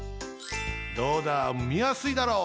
どうだみやすいだろう？